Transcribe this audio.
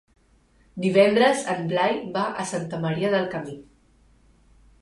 Divendres en Blai va a Santa Maria del Camí.